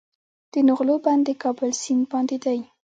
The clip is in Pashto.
د نغلو بند د کابل سیند باندې دی